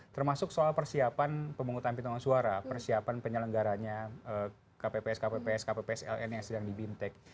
termasuk soal persiapan pemungutan penghitungan suara persiapan penyelenggaranya kpps kpps kpps ln yang sedang di bimtek